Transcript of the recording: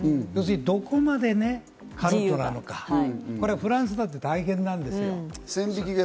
どこまでカルトなのか、フランスだって大変なんですよ。